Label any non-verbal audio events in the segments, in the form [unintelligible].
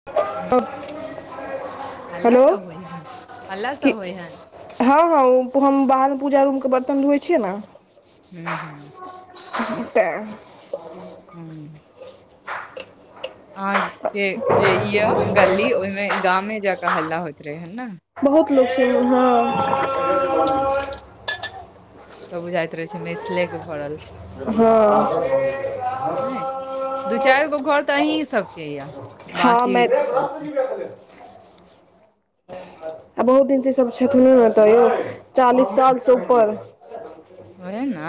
[unintelligible] हल्ला सभ होइ हन हल्ला कि सभ होइ हन। हँ हँ ओ हम बाहरमे पूजा रूम के बर्तन धोए छियै ने। हूँ हूँ। तऽ। हूँ। अहाँ के जे ये गल्ली ओहिमे गाँमे जका हल्ला होइत रहय ये नय। बहुत लोक सभ उम्हर। सब बुझाइत रहे छैय मिथिले के भ रहल हँ नहि [unintelligible] दू चारि गो घर तऽ अही सभके यऽ हँ बाँकी मै आ सभ आ बहुत दिन से ई सब छथिनो ने एतऽ यौ चालीस सालसं ऊपर। ओहे ना।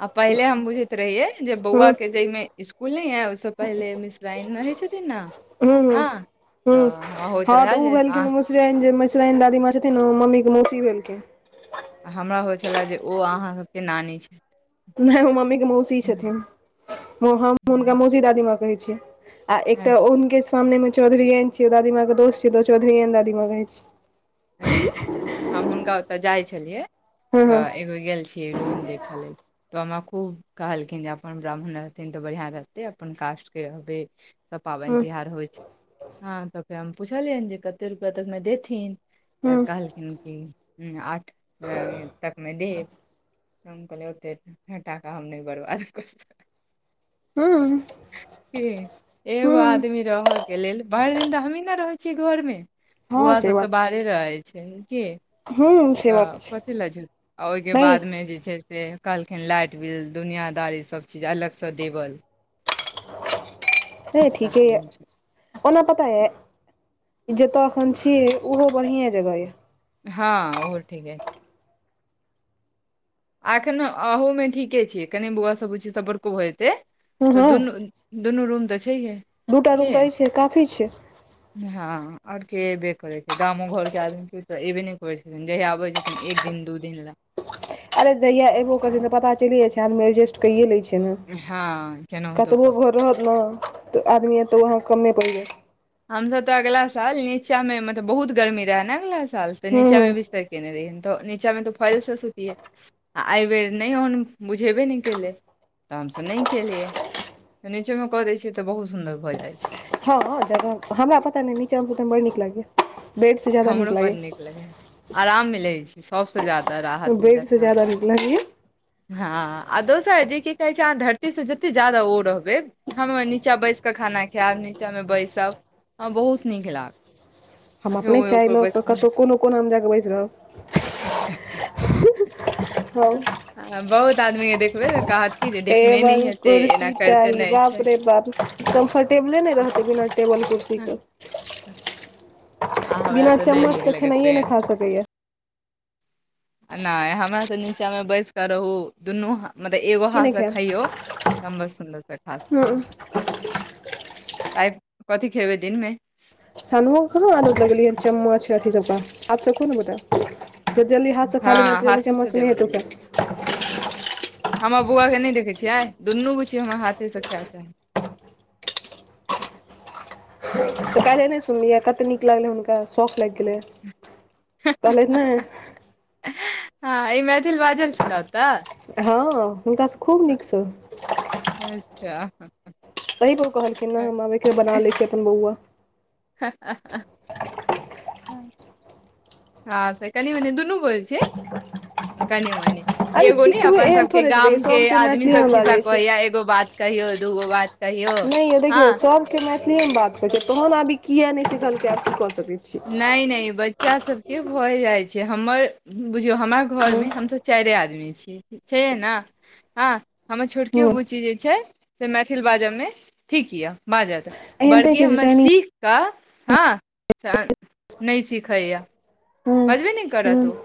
आ पहिले हम बुझैत रहिये जे बौआ हूँ के जयमे इ स्कूल नै य सभसँ पहिले मिश्राइन रहै छथिन ने हूँ हूँ हँ तऽ हमरा होइत रहए जे अहाँ जेरान दादीमाँ छथिन ने मम्मी के मौसी भेलखिन। आ हमरा होइ छलए जे ओ अहाँ सभके नानी छैय। नहि ओ मम्मी के मौसी छथिन ह हम हुनका मौसी दादीमाँ कहै छियै। आ एकटा हम्म, ओ हुनके सामने मे चौधरीयैन छैय दादीमाँ के दोस छियै तो चौधरीयैन दादीमाँ कहय छीयै। अच्छा हम हुनका ओतऽ जाय छलियै हँ तऽ हँ एगो गेल छैय यै रूम देखल लेल। तऽ हमरा खूब कहलखिन जे अपन ब्राह्मण रहथिन तऽ बढ़िआँ रहतै अपन कास्टके रहतय। सब पाबनि हँ तिहार होइ छैय हँ तऽ फेर हम पुछलियनि जे कते रुपैआ तकमे देथिन। तऽ हूँ कहलखिन कि उम आठ तकमे देब। त हम कहलियै ओते ह टाकाके हम नहि बर्बाद [unintelligible] हूं के एगो आदमी रहयके लेल भरि दिन तऽ हमही ने रहै छीयै घरमे। हँ बौआ से सभ तऽ बात बाहरे रहै छैय की। हूँ से तऽ बात छै कथी ल झू आ ओहिके नहि बादमे जे छैय से कहलखिन लाइट बिल दुनियादारी सब चीज अलगसँ देब लेल। हय ठीके य तखन छै- ओना पता य जतय एखन छीयै ओहो बढ़िएँ जगह यै। हँ ओहो ठीके य। आ एखनो अहूमे ठीके छियै कनि बौआ सभ बुची सभ बरको भऽ जेतै हँ तऽ हँ दुनू दुनू रूम तऽ छैहे। दूटा रूम के तऽ अइछे काफी छैय। हँ आओर के एबे करय छैय गामो घरके आदमीके त एबे ने करे छैय। जहिया आबै छथिन एक दिन दू दिन लै। अरे जहिया एबो करै छैय तऽ पता चलिये जाइ छैय आदमी एडजेस्ट कैए लै छैय ने हँ केनाहितो कतबो कऽ घर रहत ने तऽ आदमी है एत वहए कमे पड़ि जायत। हम सभ तऽ अगला साल नीचामे मतलब बहुत गर्मी रहे ने अगला साल साल त हूँ हूँ नीचामे बिस्तर केने रहिये है तऽ निचामे मे त फाइलसँ सुतियै आ एहिबेर नहि ओहन उम बुझेबे नहि केलै तऽ हमसभ नहि केलियै। त निचोमे कऽ दै छियै तऽ बहुत सुन्दर भऽ जाइ छैय। हँ जगह हमरा पता ने नीचामे सुतयमे बड़ नीक लागय ये बेड से ज्यादा नीक हमरो लागय बड ये। लगैए आराम मिलय छैय सबसँ ज्यादा। राहत मिलत बेडसँ अहाँके ज्यादा निक लगय या। हँ आ दोसर जे की कहय छैय अहाँ धरतीसँ जतेक ज्यादा ओ रहबै हम अपन नीचाँ बैस कऽ खाना खायब नीचाँमे बैसब हँ बहुत नीक लागत। हम आ फेर अपने ओहि चाय लऽ क कतहु कोनो कोनामे हम जाकऽ बैस रहब। हौ ह-ह-ह- बहुत आदमी ये देखबै त कहत कि जे देखने टेबल नहि हेतै एना कुर्सी करिते चाही नहि बाप छै रे बाप। कम्फर्टेबले नहि रहतै बिना टेबल कुर्सी क। आ हमरा बिना तऽ नहि चम्मच नीक केऽ लगैत खेनाइये न रहैए खा सकै या। आ नहि हमरा तऽ नीचा मे बैस क रहू दुनू ह। मतलब एगो की नहि हाथ से खायब खइयौ बड़ सुन्दरसँ खाथ। हूं तइ कथि खेबै दिन मे। सानू ओके कहाँ आदत लगलिय हन चम्मच अथी चप्पा आबसँ कोन बताब। फे जल्दी हाथसँ हँ खी तऽ जल्दी हाथे से चम्मच नहि देबे हेतै के छै तरा। हमर बौआ के नहि देखे छियै दुनू गुिय हमरा हाथे से खायत तऽ काएले नहि सुनलियै कते नीक लगलै हुनका शौख लागि गेलै कहलेत ने हँ ई मैथिल बाजल छलहु ओत। हँ हुनकासँ खूब नीक स अच्छा। तहीपर ओ कहलखिन ने हम आबेके बना लै छिय अपन बौआ ह ह ह हँ त कनि मनि दुनू बोझे छै कनि मनी अरे एगो ने सिखबै अपन एहन सभके थोड़े छै गाम देखियौ के सबके आदमी सभ मैथिलीमे खिस्सा बाजै छै कहैया एगो बात कहियो, दूगो बात कहियो नहि य हँ देखियौ सभके मैथिलीए मे बात करै छै तोहन अभी किया नहि सिखलक आ की क सकै छी नहि नहि बच्चा सभके भए जाइ छै हमर। बुझियौ हमरा हँ घरमे हम सभ चारिए आदमी छिय, छै ने, ह हमर छोटकियो हँ बुच्ची जे छै से मैथिल बाजय मे ठीक यए, बाजत। एहन तऽ बड़की छै जे हमर चाइनीज सीख कऽ ह नहि सिखैए हँ मजबी नहि हँ करत औ।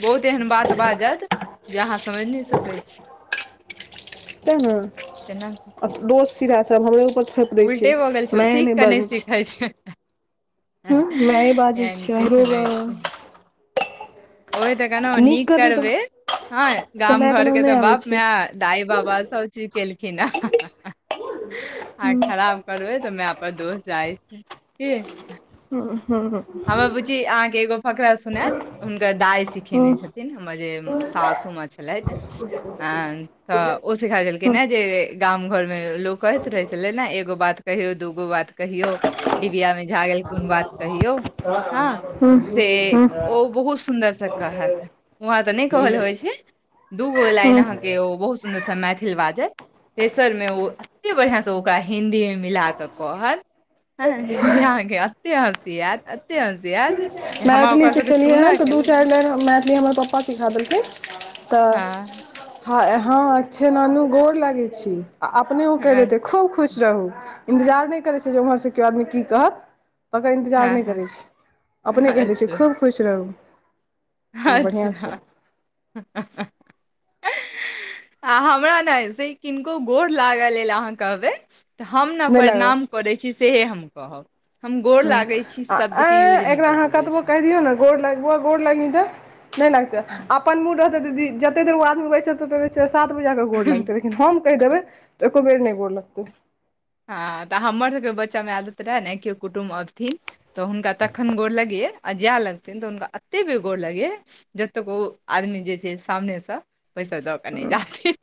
बहुत एहन बात बाजत जे अहा समझि नहि सकैत छी तै ने तेना कऽ कऽ दोस्त सीधाभ हमरे ऊपर दै उल्टे भऽ गेल छै छियै ओ माय सीख नहि कऽ बाजै सीखै छै। माऐ बाजै एहन छीरो किछु ओह तऽ केना नीक करतै तऽ करबे हं तऽ गाम मायके घर नाम के तऽ नहि आबै बाप मै छै दाइ बाबा सभ चीज केलखिन हँ, हँ आ खराब करए त मैप पर दोस्त जाइ। ह ह। हमर बूची अहाँकेँ एगो फकरा सुनात, हुनकर दाइ हँ सिखेने छथिन हमर जे शासु माँ छलह तऽ, ह। तऽ ओ सिखा देलखिन हँ हे जे गाम घरमे लोक कहैत रहैत छलै ने एगो बात कहियो दूगो बात कहियो, डिबिया मे झागेल कोन बात कहियौ हँ से ओ बहुत सुन्दरस कहत व अहाँ तऽ नहि कहल होइ छै दूगो लाइन अहाँकेँ के ओ बहुत सुन्दरस मैथिल बाजै तेसरमे ओ एतेक बढ़िआसँ ओकरा हिन्दी मे मिला कऽ कहत जहाँकेँ अते हसि आयत अते हसि आयत जे हमरा मैथिली ओकरा सबके सिखेलियै हँ सुनऽ त के दू लेल चारि बेर मैथिली हमर पप्पा सिखा देलकिन। ह। हा ए हा अच्छा नानु गोर लागे छी, आ अपने के हँ देते खूब खुश। रहू इन्तजार नहि करै छै जे ओम्हरसँ केओ आदमी की कहत, तकर इन्तजार हँ नहि हँ करै छै। अपने कहि दै छियै अच्छा खूब खुश रहू। अच्छा बढ़िआँ छै ह ह ह आ हमरा ने से किनको गोर लागल लेलऽ अहाँ कहबै। तऽ हम ने नहि लागत प्रणाम करै छी सएहे हम कहब। हम गोर लागै छी आ शब्द ऐ के यूज नहि एकरा कऽ अहाँ पबै कतबो कहि दियौ ने गोड़ लाग गोड़ लागे नहि लागते अपन मूड रहते दी जते देर ओ आदमी बैसते त सात बजाक कऽ गोड़ छी लगतै लेकिन हम कहि देबै तऽ एको बेर नहि गोड़ लगतै। हँ तऽ हमर सभके बच्चा मे आदत रहए ने केओ कुटुम्ब अबथिन। तऽ हुनका तखन गोर लगियै आ जाय लगतै। छथिन तऽ हुनका एते बेगोर लगय जतक ओ आदमी जे छै सामने से पैसा दब। नहि जाे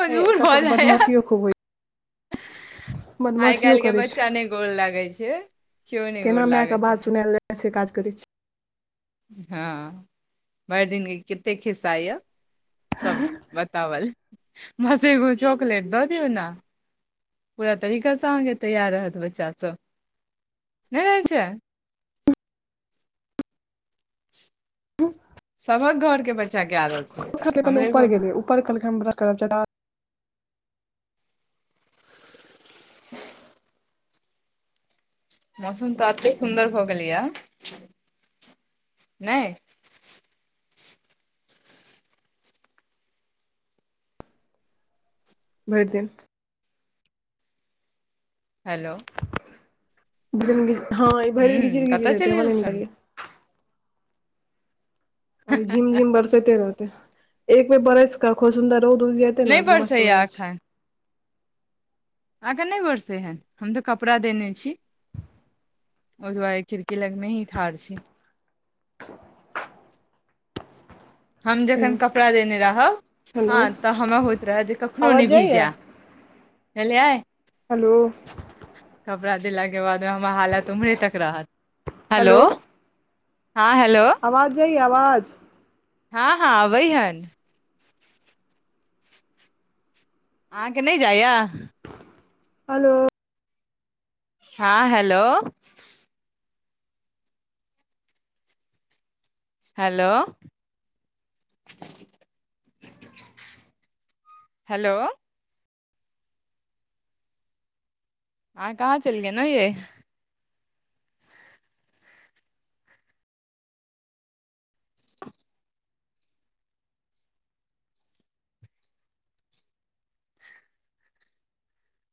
मजबूर एकर भऽ सभके जाया बदमाशियो खूब होइ छै आइ बदमाशियो काल्हि के करै छै बच्चा नहि गोर लागै छै। केओ नहि गोर केना माय के लागै छै बात सुनायल जाइ से काज करै छी। ह भरि दिनके कतेक खिस्सा य सभ बतावल मसगो चॉकलेट दऽ दिऔ ने। पूरा तरीका अहाँकेँ तैयार रहत बच्चा सभ नहि रहै छै सभ कऽ घर के बच्चा के रहल छै। हमरे घर ऊपर गेले उपर कहलक हम। मौसम तऽ एते सुन्दर भऽ गेलैया नहि। भरि दिन। हेलो। दिन ह ई भरि दिन हूँ घिचिड़ घिचर कतय चलि रहेतै गेल छल हमराैए। झिम जिम बरसते रहतै एक बे बड़ैस क खो सुन्दर रौद रोज ते नहि ने मस्त हो बरसैया जाइ छै। अखन नहि बरसै हन हम तऽ कपड़ा देने छी। ओहि दुआरे खिड़की लगमे ही ठाढ़ छी। हम छै जखन कपड़ा देने रहब। हेलो ह तऽ हमरा होइत रहय जे कखनो नहि आवाज जाइये भीजय बझलियै। हेलो। कपड़ा देलाके बाद मे हमर हालत ओम्हरे तक रहत। हेलो। हँ हेलो आवाज जइ आवाज। ह ह अबै हन। अहाँकेँ नहि जाइया हेलो। ह हेलो। हेलो। हेलो। ह कहाँ चलिये न ये।